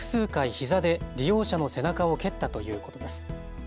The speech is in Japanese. ひざで利用者の背中を蹴ったということです。